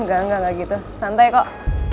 engga engga gitu santai kok